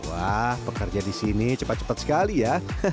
wah pekerja di sini cepat cepat sekali ya